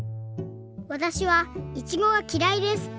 「わたしはいちごがきらいです。